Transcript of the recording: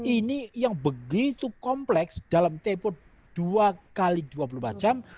ini yang begitu kompleks dalam tempo dua x dua puluh empat jam